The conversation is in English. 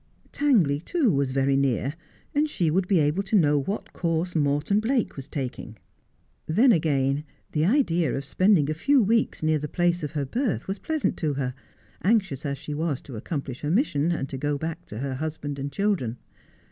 Tangley, too, was very near, and she would be able to know what course Morton Blake was taking. Then, again, the idea of spending a few weeks near the place of her birth was pleasant to her, anxious as she was to accomplish her mission, and to go back to her husband and children.